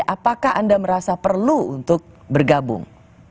apakah anda merasa perlu untuk bergabung